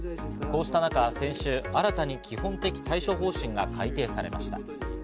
こうした中、先週、新たに基本的対処方針が改定されました。